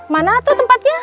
mana itu tempatnya